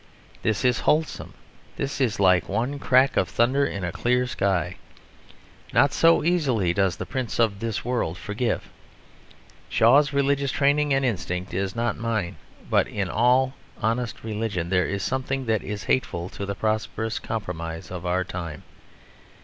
This is wholesome; this is like one crack of thunder in a clear sky. Not so easily does the prince of this world forgive. Shaw's religious training and instinct is not mine, but in all honest religion there is something that is hateful to the prosperous compromise of our time.